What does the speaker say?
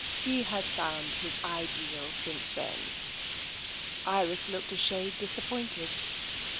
He has found his ideal since then." Iris looked a shade disappointed.